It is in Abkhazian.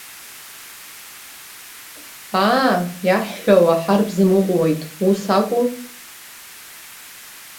Аа, иаҳҳәауа ҳарбзамыҟәуеит, ус акәу?